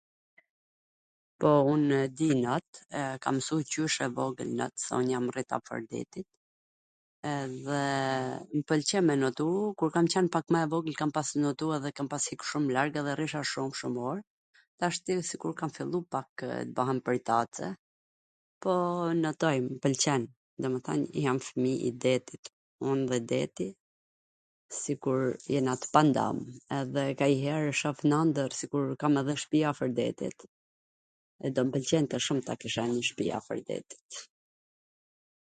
Po, unw di not, kam mwsu qysh e vogwl not, se un jam rrit afwr detit, edhe m pwlqen me notu, kur kam qwn pak mw e vogwl, kam pas notu edhe kam pas hik shum larg edhe rrijsha shum shum or, tashti sikur kam fillu pakw t bahem pwrtace, po, notoj, m pwlqen, domethwn jam fmij i detit. Un dhe deti sikur jena t pandam dhe kanjher e shof n andwrr sikur wsht shpia afwr detit e do m pwlqente ta kisha njw shpi afwr detit.